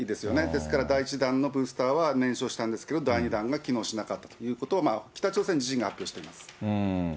ですから第１段のブースターは燃焼したんですけど、第２弾が機能しなかったということを、北朝鮮自身が発表しています。